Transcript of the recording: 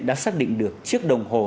đã xác định được chiếc đồng hồ